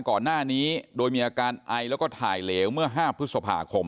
ก่อนหน้านี้โดยมีอาการไอแล้วก็ถ่ายเหลวเมื่อ๕พฤษภาคม